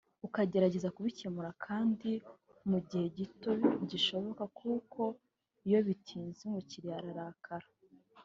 ukagerageza kubikemura kandi mu gihe gito gishoboka kuko iyo bitinze umukiriya ararakara